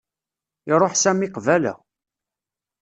Iṛuḥ Sami qbala.